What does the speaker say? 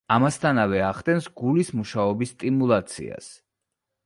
ამასთანავე ახდენს გულის მუშაობის სტიმულაციას.